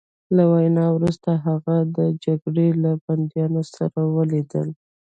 له وینا وروسته هغه د جګړې له بندیانو سره ولیدل